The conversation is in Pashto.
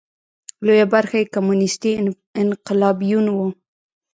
لویه برخه یې کمونېستي انقلابیون وو.